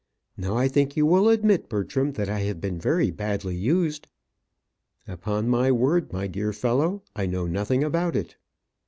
Now I think you will admit, Bertram, that I have been very badly used." "Upon my word, my dear fellow, I know nothing about it."